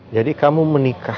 jadi kamu menikah